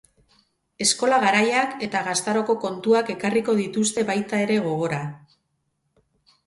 Eskola garaiak eta gaztaroko kontuak ekarriko dituzte baita ere gogora.